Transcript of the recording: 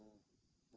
bukan berita bohong